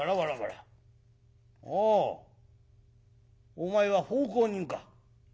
お前は奉公人か。